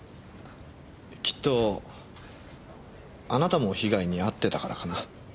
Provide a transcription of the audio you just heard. きっとあなたも被害に遭ってたからかな。